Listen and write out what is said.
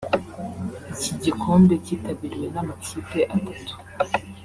Iki gikombe kitabiriwe n’amakipe atatu